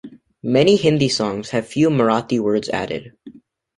Many Hindi songs have few Marathi words added.